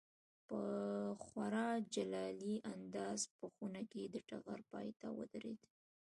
په خورا جلالي انداز په خونه کې د ټغر پای ته ودرېد.